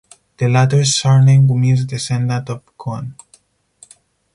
The latter surname means "descendant of "Conn"".